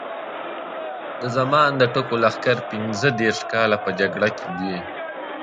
د زمان د ټکو لښکر پینځه دېرش کاله په جګړه کې دی.